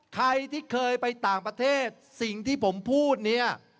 ใครที่เคยไปต่างประเทศสิ่งที่ผมพูดเนี่ย